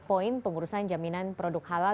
poin pengurusan jaminan produk halal